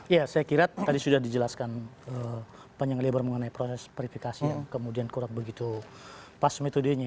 ya saya kira tadi sudah dijelaskan panjang lebar mengenai proses verifikasi yang kemudian kurang begitu pas metodenya